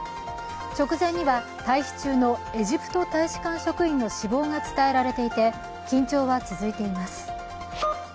直前には退避中のエジプト大使館職員の死亡が伝えられていて緊張は続いています。